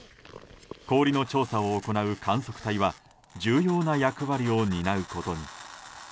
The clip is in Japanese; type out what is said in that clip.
氷の調査を行う観測隊は重要な役割を担うことに。